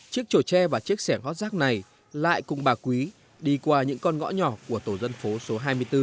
chiếc trô tre và chiếc sẻng vót rác này lại cùng bà quý đi qua những con ngõ nhỏ của tổ dân phố số hai mươi bốn